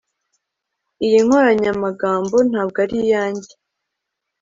Iyi nkoranyamagambo ntabwo ari iyanjye